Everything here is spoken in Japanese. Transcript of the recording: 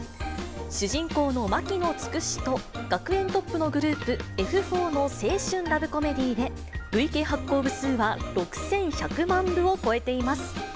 主人公の牧野つくしと、学園トップのグループ、Ｆ４の青春ラブコメディーで、累計発行部数は６１００万部を超えています。